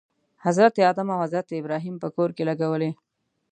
حضرت آدم او حضرت ابراهیم په کور کې لګولی.